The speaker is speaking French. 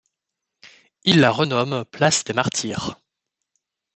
Ils la renomment Place des Martyrs.